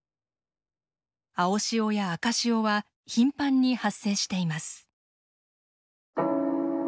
青潮や赤潮は頻繁に発生しています。